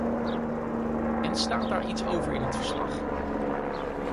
En staat daar iets over in het verslag?